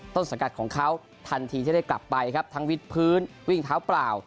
ต้นสังกัดของเขาทันทีที่ได้กลับไปครับทั้งวิทย์พื้นวิ่งเท้าเปล่า